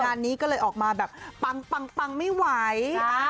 งานนี้ก็เลยออกมาแบบปังไม่ไหว